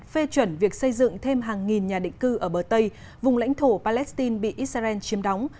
phê chuẩn việc xây dựng thêm hàng nghìn nhà định cư ở bờ tây vùng lãnh thổ palestine bị israel chiếm đóng